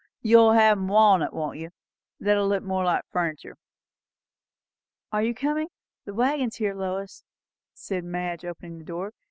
You'll hev 'em walnut, won't you? that'll look more like furniture." "Are you coming? The waggon's here, Lois," said Madge, opening the door.